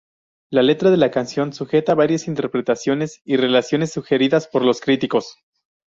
La letra de la canción sujeta varias interpretaciones y relaciones sugeridas por los críticos.